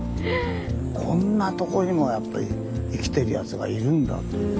こんなとこにもやっぱり生きてるやつがいるんだという。